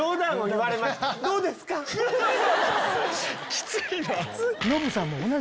きついな。